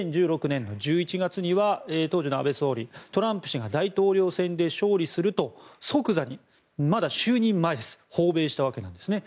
２０１６年１１月には当時の安倍総理トランプ氏が大統領選で勝利すると即座に、まだ就任前です訪米したわけですね。